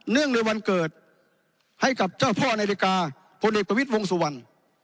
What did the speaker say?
เนื่องในวันเกิดให้กับเจ้าพ่อในเด็กาพลเอกประวิทธิ์วงสุวรรณ